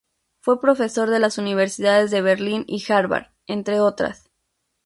Fue profesor de las universidades de Berlín y Harvard, entre otras.